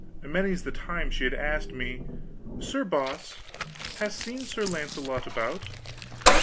Many's the time she had asked me, "Sir Boss, hast seen Sir Launcelot about?"